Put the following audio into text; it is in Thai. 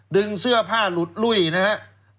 ดึงเสื้อผ้าหลุดลุ้ยนะครับ